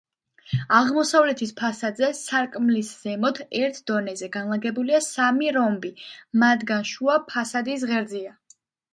აღმოსავლეთის ფასადზე სარკმლის ზემოთ, ერთ დონეზე, განლაგებულია სამი რომბი; მათგან შუა ფასადის ღერძზეა.